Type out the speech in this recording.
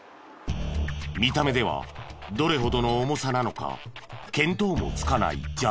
見た目ではどれほどの重さなのか見当もつかない砂利。